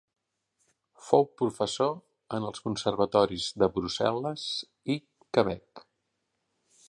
Fou professor en els Conservatoris de Brussel·les i Quebec.